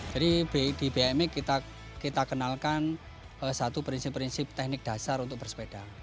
jadi di bmx kita kenalkan satu prinsip prinsip teknik dasar untuk bersepeda